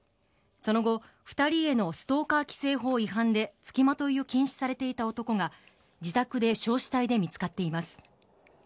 その後２人へのストーカー規制法違反でつきまといを禁止されていた男が自宅で焼死体で見つかっています。